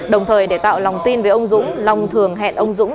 đồng thời để tạo lòng tin với ông dũng long thường hẹn ông dũng